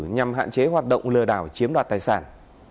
nhằm hạn chế hoạt động lừa đảo chiếm đoạt tài sản